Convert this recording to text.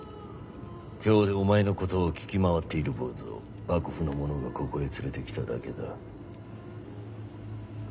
京でお前のことを聞き回っている坊ずを幕府の者がここへ連れて来ただけだ。